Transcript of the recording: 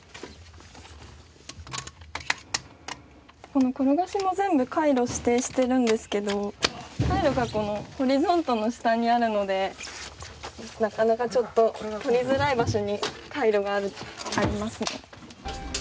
このころがしも全部回路指定してるんですけど回路がこのホリゾントの下にあるのでなかなかちょっと取りづらい場所に回路がありますね。